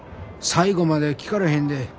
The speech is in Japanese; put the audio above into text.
最後まで聴かれへんで。